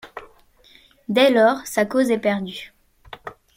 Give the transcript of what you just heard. Dès lors, sa cause est perdue.